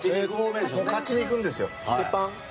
勝ちに行くんですよ。